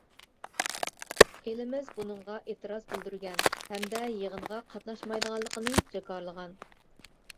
ئېلىمىز بۇنىڭغا ئېتىراز بىلدۈرگەن ھەمدە يىغىنغا قاتناشمايدىغانلىقىنى جاكارلىغان.